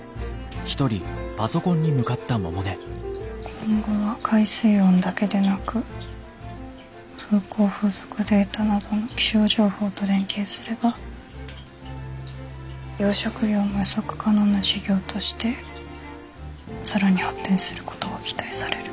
「今後は海水温だけでなく風向・風速データなどの気象情報と連携すれば養殖業も予測可能な事業としてさらに発展することが期待される」。